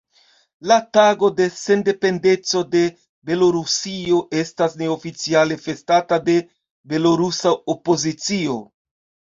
La tago de sendependeco de Belorusio estas neoficiale festata de belorusa opozicio.